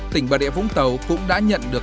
tỉnh bà địa vũng tàu cũng đã nhận được